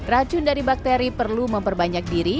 racun dari bakteri perlu memperbanyak diri